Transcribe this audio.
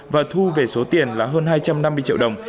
và thu về số tiền là hơn hai trăm năm mươi triệu đồng